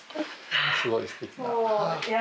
すごいすてきな。